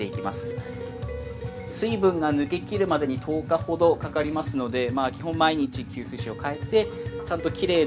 水分が抜け切るまでに１０日ほどかかりますのでまあ基本毎日吸水紙を替えてちゃんときれいな状態にするっていうのが大事ですね。